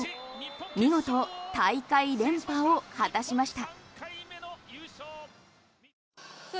見事、大会連覇を果たしました。